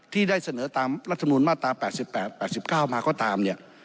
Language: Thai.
ที่ได้เสนอตามรัฐนูนมาตรา๘๘๘๙มาก็ตาม